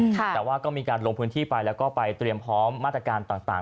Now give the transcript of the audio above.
แต่ว่าก็มีการลงพื้นที่ไปแล้วก็ไปเตรียมพร้อมมาตรการต่าง